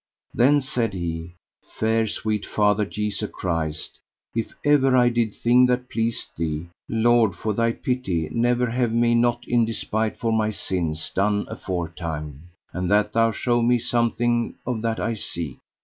Then said he: Fair sweet Father, Jesu Christ, if ever I did thing that pleased Thee, Lord for Thy pity never have me not in despite for my sins done aforetime, and that Thou show me something of that I seek.